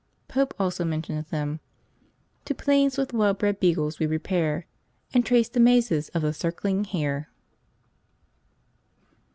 Pope also mentions them, "To plains with well bred beagles we repair, And trace the mazes of the circling hare."